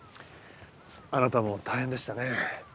あなたも大変でしたね。